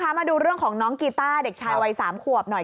มาดูเรื่องของน้องกีต้าเด็กชายวัย๓ขวบหน่อย